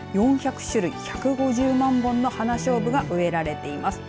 ４００種類１５０万本のハナショウブが植えられています。